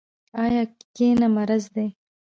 آیا کینه مرض دی؟